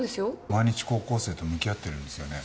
毎日高校生と向き合ってるんですよね？